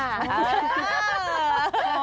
อ้าว